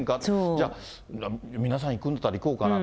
じゃあ、皆さん行くんだったら行こうかな。